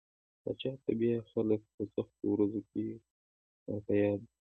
پاچا ته بيا خلک په سختو ورځو کې ور په ياد وي.